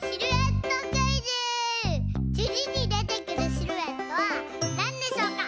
つぎにでてくるシルエットはなんでしょうか？